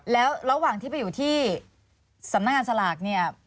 แล้วระหว่างที่ไปอยู่ที่สำนักงานสลากเนี่ย